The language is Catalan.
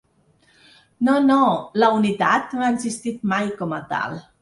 No, no, la unitat no ha existit mai com a tal.